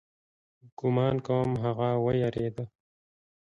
ګومان کوم هغه وېرېده.